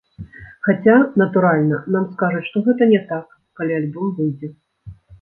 Хаця, натуральна, нам скажуць, што гэта не так, калі альбом выйдзе.